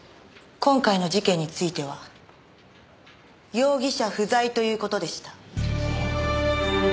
今回の事件については容疑者不在という事でした。